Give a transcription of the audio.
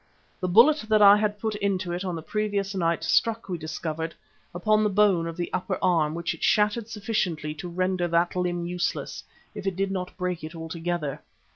The bullet that I had put into it on the previous night struck, we discovered, upon the bone of the upper arm, which it shattered sufficiently to render that limb useless, if it did not break it altogether.